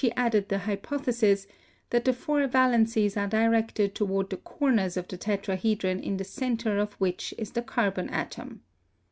added the hypothesis that the four valencies are directed toward the corners of the tetrahedron in the center of which is the carbon atom."